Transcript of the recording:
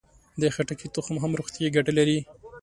د خټکي تخم هم روغتیایي ګټه لري.